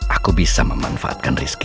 aku bisa memanfaatkan rizky